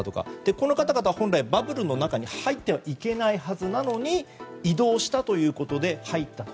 この方々は本来、バブルの中に入ってはいけないはずなのに移動したということで入ったと。